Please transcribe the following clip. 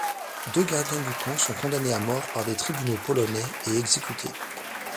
Deux gardiens du camp sont condamnés à mort par des tribunaux polonais et exécutés.